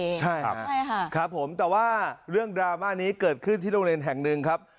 ใช่ครับใช่ค่ะครับผมแต่ว่าเรื่องดราม่านี้เกิดขึ้นที่โรงเรียนแห่งหนึ่งครับ